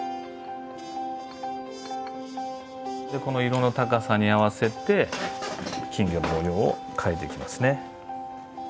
この色の高さに合わせて金魚の模様を描いていきますね。